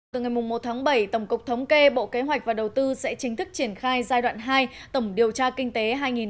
từ ngày một tháng bảy tổng cục thống kê bộ kế hoạch và đầu tư sẽ chính thức triển khai giai đoạn hai tổng điều tra kinh tế hai nghìn hai mươi